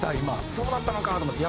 そうだったのか！と思って。